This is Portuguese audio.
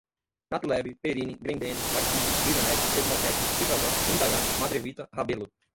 Natulab, Perini, Grendene, Marquise, Brisanet, Esmaltec, Fibravan, Indaiá, Madrevita, Rabelo